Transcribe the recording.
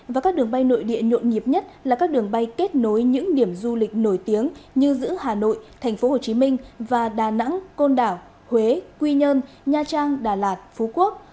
và các đường bay nội địa nhộn nhịp nhất là các đường bay kết nối những điểm du lịch nổi tiếng như giữa hà nội tp hcm và đà nẵng côn đảo huế quy nhơn nha trang đà lạt phú quốc